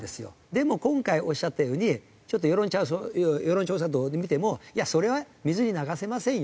でも今回おっしゃったようにちょっと世論調査等で見ても「いやそれは水に流せませんよ」